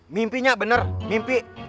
mimpi nge bener mimpi